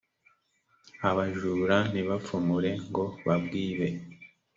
abajura ntibapfumure ngo babwibe